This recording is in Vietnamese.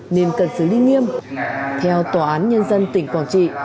nên cần xử lý nghiêm theo tòa án nhân dân tỉnh quảng trị